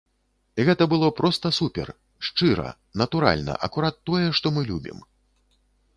Гэта было проста супер, шчыра, натуральна, акурат тое, што мы любім.